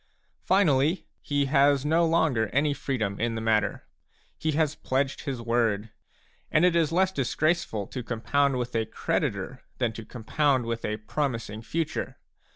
Finally, he has no longer any freedom in the matter; he has pledged his word. And it is less disgraceful to compound with a creditor than to compound with a promising future.